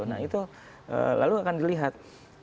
nah itu lalu akan dilihat